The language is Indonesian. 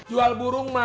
jual burung ma